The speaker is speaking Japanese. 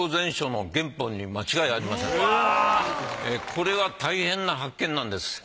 これは大変な発見なんです。